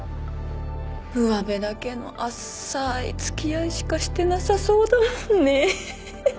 うわべだけの浅い付き合いしかしてなさそうだもんね。